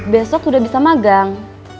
besok sudah bisa magang